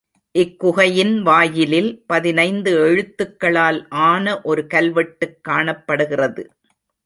இக்குகையின் வாயிலில் பதினைந்து எழுத்துக்களால் ஆன ஒரு கல்வெட்டுக் காணப்படுகிறது.